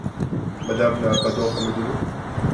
Madame n’a pas d’ordres à me donner ?